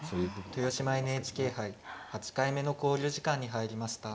豊島ＮＨＫ杯８回目の考慮時間に入りました。